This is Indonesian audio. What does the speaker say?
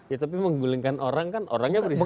ya tapi menggulingkan orang kan orangnya berisiko